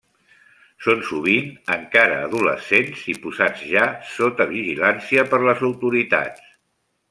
Són sovint encara adolescents i posats ja sota vigilància per les autoritats.